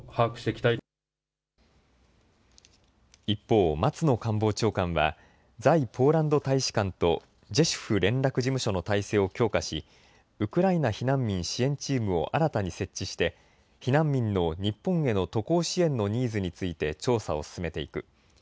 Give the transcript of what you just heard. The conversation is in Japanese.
一方、松野官房長官は在ポーランド大使館とジェシュフ連絡事務所の体制を強化しウクライナ避難民支援チームを新たに設置して避難民の日本への渡航支援のニーズについて調査を進めていく。